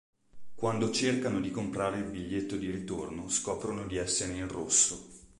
Quando cercano di comprare il biglietto di ritorno scoprono di essere in rosso.